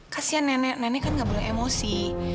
kasian nenek nenek kan nggak boleh emosi